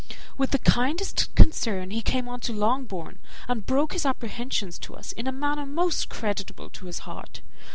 With the kindest concern he came on to Longbourn, and broke his apprehensions to us in a manner most creditable to his heart.